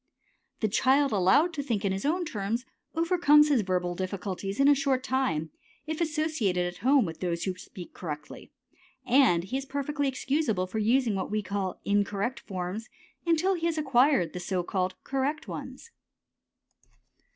The child allowed to think in his own terms overcomes his verbal difficulties in a short time if associated at home with those who speak correctly, and he is perfectly excusable for using what we call incorrect forms until he has acquired the so called correct ones.